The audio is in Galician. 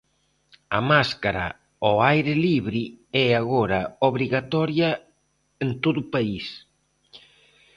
A máscara ao aire libre é agora obrigatoria en todo o país.